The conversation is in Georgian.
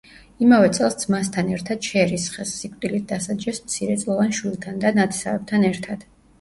იმავე წელს ძმასთან ერთად შერისხეს; სიკვდილით დასაჯეს მცირეწლოვან შვილთან და ნათესავებთან ერთად.